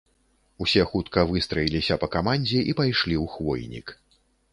Усе хутка выстраіліся па камандзе і пайшлі ў хвойнік.